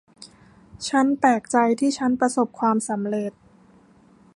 ฉันแปลกใจที่ฉันประสบความสำเร็จ